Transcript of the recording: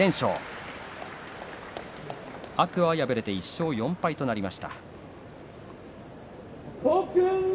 天空海は敗れて１勝４敗となりました。